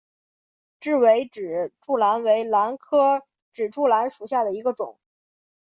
雉尾指柱兰为兰科指柱兰属下的一个种。